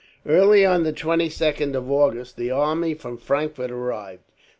Early on the 22nd of August the army from Frankfort arrived.